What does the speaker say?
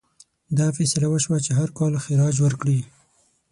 دا فیصله وشوه چې هر کال خراج ورکړي.